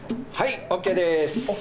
はいオーケーです。